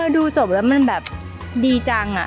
ดูจบแล้วมันแบบดีจัง